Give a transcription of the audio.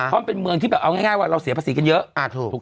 เพราะมันเป็นเมืองที่แบบเอาง่ายว่าเราเสียภาษีกันเยอะ